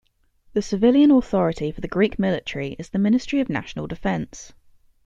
The civilian authority for the Greek military is the Ministry of National Defense.